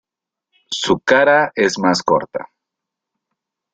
Su cara es más corta.